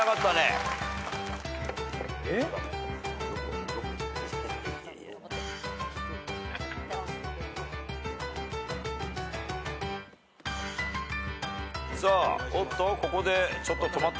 さあおっとここでちょっと止まったか？